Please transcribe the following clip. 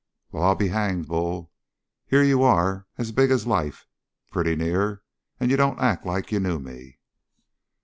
"Well, I'll be hanged, Bull, here you are as big as life, pretty near, and you don't act like you knew me!"